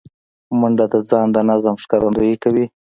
منډه د ځان د نظم ښکارندویي کوي